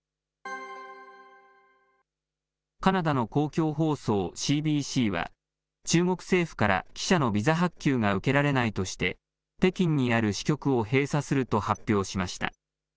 カナダの公共放送ＣＢＣは、中国政府から、記者のビザ発給が受けられないとして、北京にある支局を閉鎖すると発表しました。